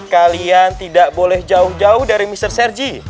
kalian tidak boleh jauh jauh dari mr sergi